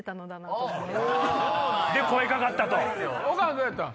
どうやったん？